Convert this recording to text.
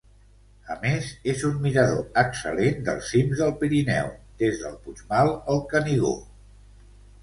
A més, és un mirador excel·lent dels cims del Pirineu des del Puigmal al Canigó.